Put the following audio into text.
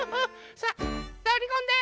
さあとりこんで！